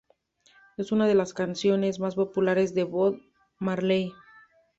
Es una de las canciones más populares de Bob Marley.